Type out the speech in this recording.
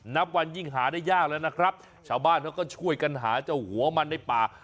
นับวันยิ่งหาได้ยากแล้วนะครับชาวบ้านเขาก็ช่วยกันหาเจ้าหัวมันในป่า